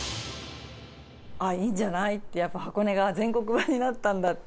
あっ、いいんじゃないって、やっぱ箱根が全国版になったんだって。